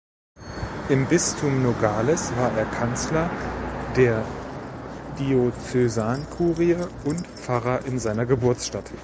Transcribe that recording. Im Bistum Nogales war er Kanzler der Diözesankurie und Pfarrer in seiner Geburtsstadt.